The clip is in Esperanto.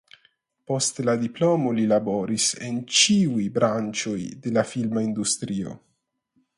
Post la diplomo li laboris en ĉiuj branĉoj de la filma industrio.